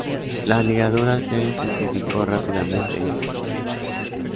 La ligadura se simplificó rápidamente en Ϛ.